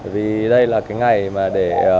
vì đây là cái ngày để